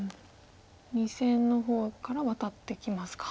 ２線の方からワタってきますか。